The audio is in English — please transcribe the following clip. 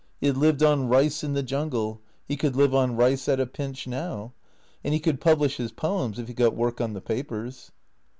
He had lived on rice in the jungle. He could live on rice at a pinch now. And he could publish his poems if he got work on the papers.